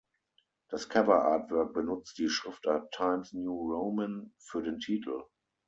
Das Cover-Artwork benutzt die Schriftart Times New Roman für den Titel.